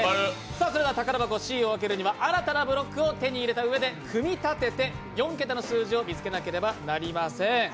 それでは、宝箱Ｃを開けるには新たなブロックを手に入れて組み立てて４桁の数字を見つけなければなりません。